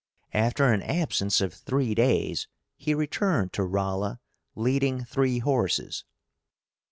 After an absence of three days he returned to Rolla, leading three horses.